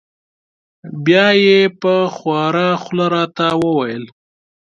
بیا یې په خواره خوله را ته و ویل: